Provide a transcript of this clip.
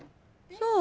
そう。